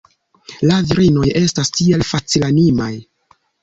La virinoj estas tiel facilanimaj.